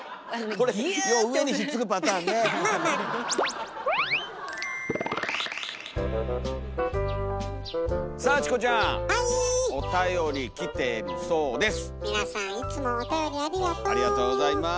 はい。